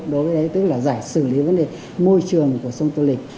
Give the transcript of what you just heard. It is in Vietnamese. đối với tức là giải xử lý vấn đề môi trường của sông tô lịch